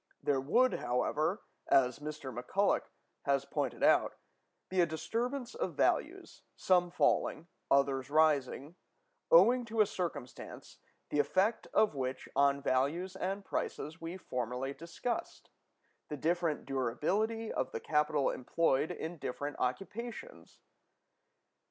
There would, however, as Mr. McCulloch has pointed out, be a disturbance of values, some falling, others rising, owing to a circumstance, the effect of which on values and prices we formerly discussed—the different durability of the capital employed in different occupations.